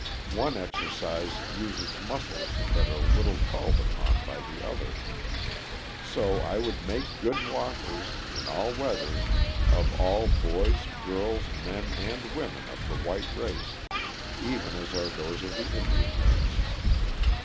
One exercise uses muscles that are little called upon by the other. So I would make good walkers, in all weathers, of all boys, girls, men, and women of the white race, even as are those of the Indian race.